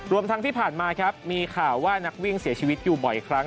รวมทั้งที่ผ่านมาครับมีข่าวว่านักวิ่งเสียชีวิตอยู่บ่อยครั้ง